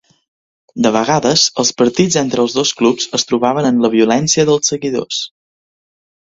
De vegades, els partits entre els dos clubs es trobaven amb la violència dels seguidors.